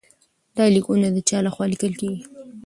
دا لیکونه د چا لخوا لیکل کیږي؟